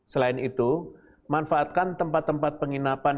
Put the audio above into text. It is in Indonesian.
selain itu manfaatkan tempat tempat penginapan